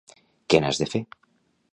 Què n'has de fer!